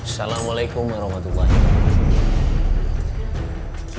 assalamualaikum warahmatullahi wabarakatuh